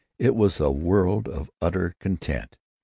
It was a world of utter content.